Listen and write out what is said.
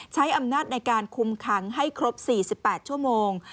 ใช้อำนาจในการคุมขังให้ครบ๔๘ชั่วโมง